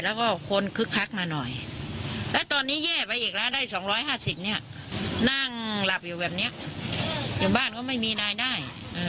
และตอนนี้แย่ไปอีกแล้วได้๒๕๐เนี่ยนั่งหลับอยู่แบบนี้อยู่บ้านก็ไม่มีนายได้